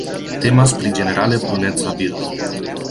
Temas pri ĝenerale bruneca birdo.